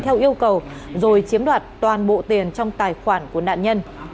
theo yêu cầu rồi chiếm đoạt toàn bộ tiền trong tài khoản của nạn nhân